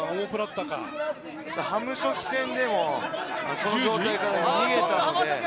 ハム・ソヒ戦でもこの状態から逃げたので。